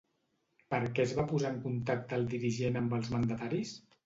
Per què es va posar en contacte el dirigent amb els mandataris?